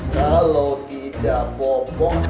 kalau tidak bobo